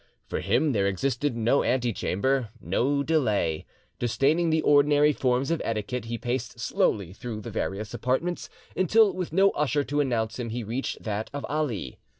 For him there existed no antechamber, no delay; disdaining the ordinary forms of etiquette, he paced slowly through the various apartments, until, with no usher to announce him, he reached that of Ali.